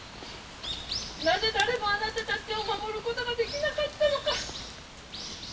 なぜ誰もあなたたちを守ることができなかったのか。